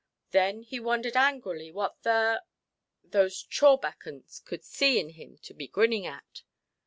Then he wondered angrily what the——those chawbacons could see in him to be grinning at.